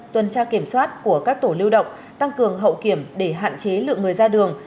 tuần tra kiểm soát của các tổ lưu động tăng cường hậu kiểm để hạn chế lượng người ra đường